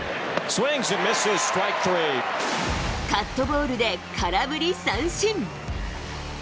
カットボールで空振り三振。